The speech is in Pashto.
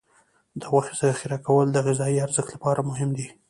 د غوښې ذخیره کول د غذايي ارزښت لپاره مهم دي.